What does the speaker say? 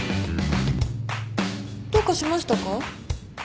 どうかしましたか？